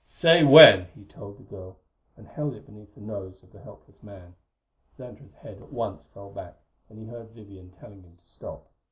"Say when," he told the girl, and held it beneath the nose of the helpless man. Xantra's head at once fell back, and he heard Vivian telling him to stop.